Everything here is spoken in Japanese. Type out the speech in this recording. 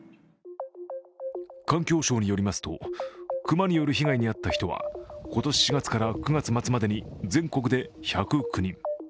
環境省によりますと熊による被害に遭った人は今年４月から９月末までに全国で１０９人。